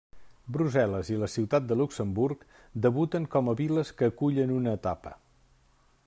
Brussel·les i la Ciutat de Luxemburg debuten com a viles que acullen una etapa.